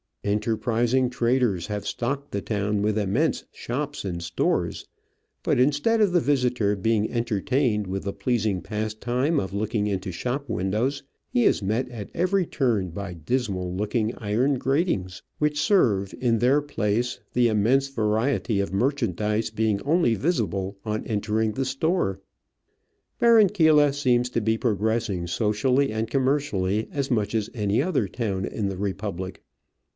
Enterprising traders have stocked the town with immense shops and stores ; but instead of the visitor being entertained with the pleasing pastime of looking into shop windows, he is met at every turn by dismal looking iron gratings which serve in their place, the immense variety of merchan dise being only visible on entering the store. Bar ranquilla seems to be progressing socially and com mercially as much as any other town in the Republic.